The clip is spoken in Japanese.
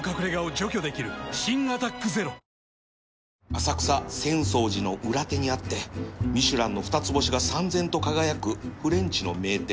浅草浅草寺の裏手にあってミシュランの２つ星がさんぜんと輝くフレンチの名店